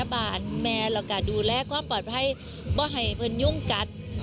บ้านแม่ก็ดูแลความปลอดภัยไม่ให้เพื่อนยุ่งกัด